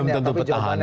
belum tentu petahana